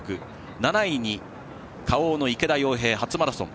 ７位にＫａｏの池田耀平、初マラソン。